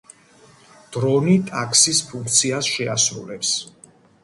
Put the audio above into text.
დრონი ტაქსის ფუნქციას შეასრულებს.